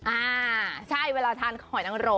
อ่าใช่เวลาทานหอยนังโร